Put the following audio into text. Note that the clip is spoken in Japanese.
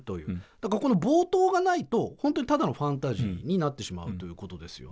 だからこの冒頭がないとホントにただのファンタジーになってしまうということですよね。